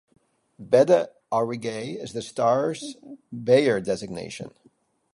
"Beta Aurigae" is the star's Bayer designation.